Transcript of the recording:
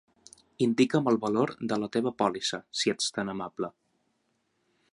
Indica'm el valor de la teva pòlissa, si ets tan amable.